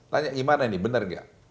tanya gimana ini benar nggak